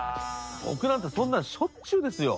僕なんてそんなんしょっちゅうですよ。